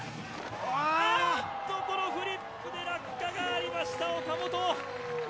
あっと、このフリップで落下がありました、岡本。